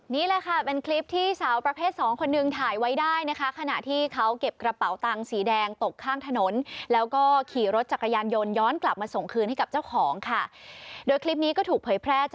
นี่แหละค่ะเป็นคลิปที่สาวประเภทสองคนหนึ่งถ่ายไว้ได้นะคะขณะที่เขาเก็บกระเป๋าตังสีแดงตกข้างถนนแล้วก็ขี่รถจักรยานยนต์ย้อนกลับมาส่งคืนให้ทุกคนได้นะครับ